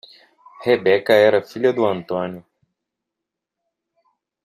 Rebeca era filha do Antônio.